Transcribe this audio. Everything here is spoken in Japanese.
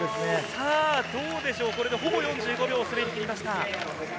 どうでしょう、ほぼ４５秒滑りきりました。